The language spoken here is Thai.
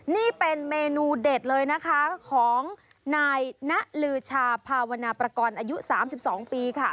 นี่เป็นเมนูเด็ดเลยนะคะของนายณลือชาภาวนาประกอบอายุ๓๒ปีค่ะ